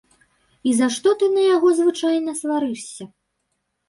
І за што ты на яго звычайна сварышся?